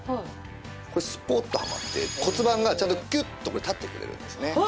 これスポッとはまって骨盤がちゃんとキュッと立ってくれるんですね。